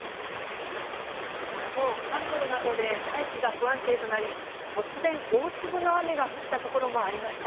きょう、関東などで大気が不安定となり、突然、大粒の雨が降った所もありました。